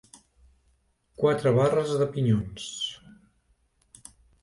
Quatre barres de pinyons.